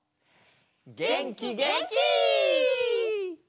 げんきげんき！